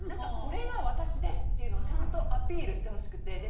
これが私ですというのをちゃんとアピールしてほしくて。